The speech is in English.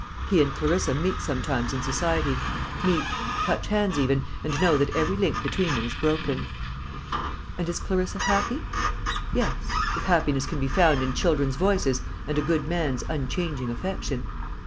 He and Clarissa meet sometimes in society meet, touch hands even, and know that every link between them is broken. And is Clarissa happy? Yes, if happiness can be found in children's voices and a good man's unchanging affection.